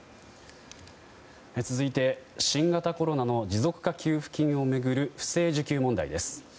続いて新型コロナの持続化給付金を巡る不正受給問題です。